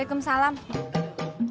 ni ni siapa mas di banda gold